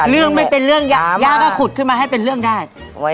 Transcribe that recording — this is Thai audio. เรื่องไม่เป็นเรื่องย่าก็ขุดขึ้นมาให้เป็นเรื่องได้